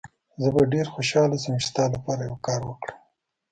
زه به ډېر خوشحاله شم چي ستا لپاره یو کار وکړم.